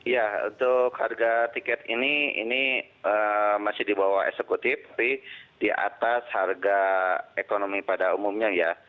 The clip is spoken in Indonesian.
ya untuk harga tiket ini ini masih di bawah eksekutif tapi di atas harga ekonomi pada umumnya ya